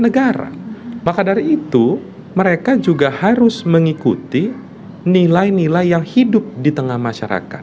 negara maka dari itu mereka juga harus mengikuti nilai nilai yang hidup di tengah masyarakat